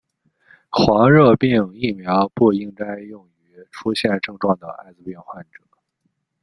黄热病疫苗不应该用于出现症状的爱滋病患者。